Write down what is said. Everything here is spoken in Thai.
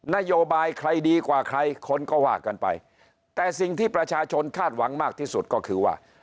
นโยบายใครดีกว่าใครคนก็ว่ากันไปแต่สิ่งที่ประชาชนคาดหวังมากที่สุดก็คือว่า